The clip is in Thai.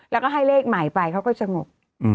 แล้วก็ให้เลขใหม่ไปเขาก็สงบ